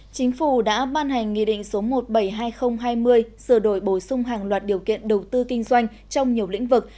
chính phủ đã ban hành nghị định số một trăm bảy mươi hai nghìn hai mươi sửa đổi bổ sung hàng loạt điều kiện đầu tư kinh doanh trong nhiều lĩnh vực